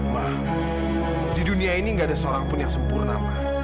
bang di dunia ini gak ada seorang pun yang sempurna